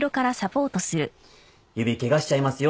指ケガしちゃいますよ